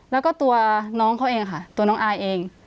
แล้วก็ตัวน้องเขาเองค่ะตัวน้องอายเอง